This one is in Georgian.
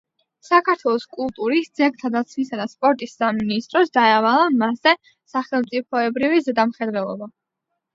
საქართველოს კულტურის, ძეგლთა დაცვისა და სპორტის სამინისტროს დაევალა მასზე სახელმწიფოებრივი ზედამხედველობა.